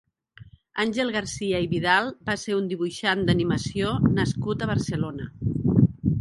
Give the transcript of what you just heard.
Àngel Garcia i Vidal va ser un dibuixant d'animació nascut a Barcelona.